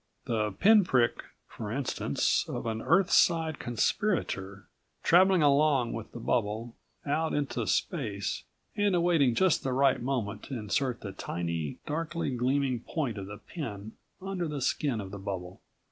The pinprick, for instance, of an Earthside conspirator, traveling along with the bubble out into space and awaiting just the right moment to insert the tiny, darkly gleaming point of the pin under the skin of the bubble.